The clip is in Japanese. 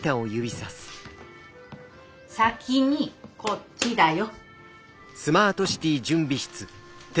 先にこっちだよ。